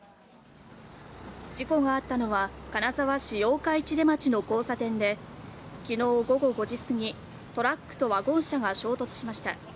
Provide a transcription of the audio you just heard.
事故があったのは金沢市八日市出町の交差点で、きのう午後５時過ぎ、トラックとワゴン車が衝突しました。